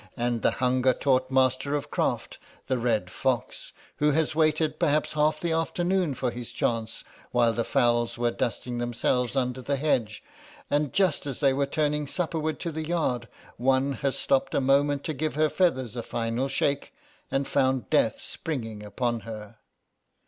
And the hunger taught master of craft, the red fox, who has waited perhaps half the afternoon for his chance while the fowls were dusting themselves under the hedge, and just as they were turning supper ward to the yard one has stopped a moment to give her feathers a final shake and found death springing upon her.